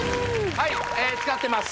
はい使ってます